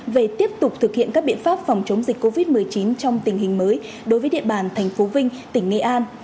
về tiếp tục thực hiện các biện pháp phòng chống dịch covid một mươi chín trong tình hình mới đối với địa bàn tp vinh tỉnh nghệ an